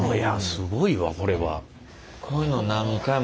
すごいわこれは。